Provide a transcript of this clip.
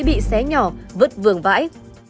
bị xé nhỏ vứt vườn vãi